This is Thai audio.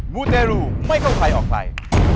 มูเตรูไม่เข้าใครออกใคร